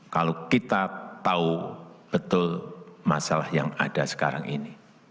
kalau kita tahu betul masalah yang ada sekarang ini